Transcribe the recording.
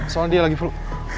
soalnya dia lagi flu